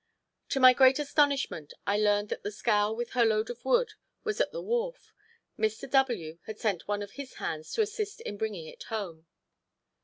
To my great astonishment I learned that the scow with her load of wood was at the wharf, Mr. W. had sent one of his hands to assist in bringing it home.